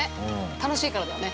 楽しいからだよね。